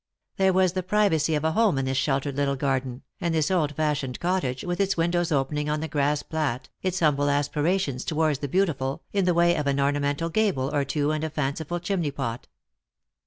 There was the privacy of a home in this sheltered little garden, and this old fashioned cottage with its windows opening on the grass plat, its humble aspirations towards the beautiful, in the way of an ornamental gable or two and a fanciful chimney pot.